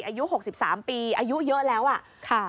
อายุ๖๓ปีอายุเยอะแล้วอะค่ะ